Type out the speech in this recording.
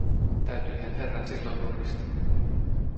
Täytyihän herran silloin nurista.